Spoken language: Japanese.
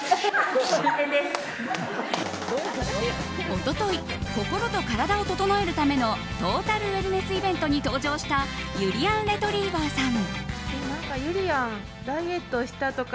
一昨日、心と体を整えるためのトータルウェルネスイベントに登場したゆりやんレトリィバァさん。